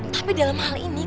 tapi dalam hal ini